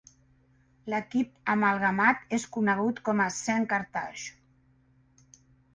L'equip amalgamat és conegut com a Saint Carthages.